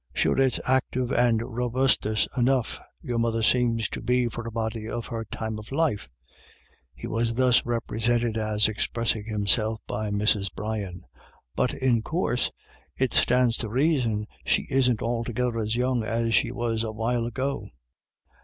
" Sure it's active and robustuous enough your mother seems to be for a body of her time of life "— he was thus represented as expressing himself by Mrs. Brian —" but in coorse it stands to raison she isn't altogether as young as she was a while ago."